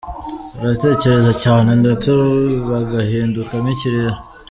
Baratekereza cyane ndetse bagahinduka nk’ikirere.